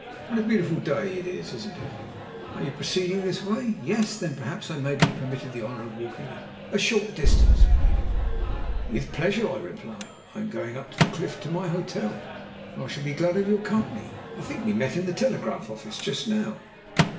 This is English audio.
What a beautiful day it is, isn't it? Are you proceeding this way? Yes? Then perhaps I may be permitted the honour of walking a short distance with you." "With pleasure," I replied. "I am going up the cliff to my hotel, and I shall be glad of your company. I think we met in the telegraph office just now."